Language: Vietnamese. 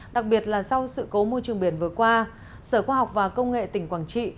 đặc biệt là sau sự cố môi trường biển vừa qua sở khoa học và công nghệ tỉnh quảng trị